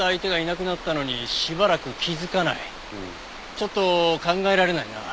ちょっと考えられないな。